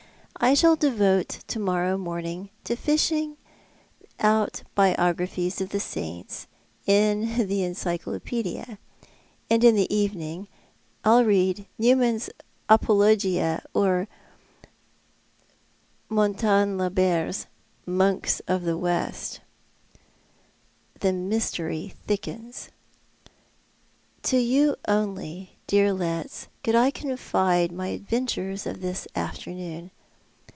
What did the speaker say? I shall devote to morrow morning to fishing out the biographies of saints in the " Encyclopedia," 220 ThoiL art the Man, and in the evening I'll read Newman's " Apologia " or Monta lembert's " Monks of the West." The mystery thickens. To you only, dear Letts, could I confide my adventures of this afternoon.